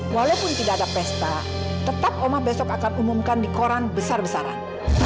walaupun tidak ada pesta tetap oma besok akan umumkan di koran besar besaran